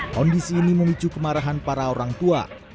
kondisi ini memicu kemarahan para orang tua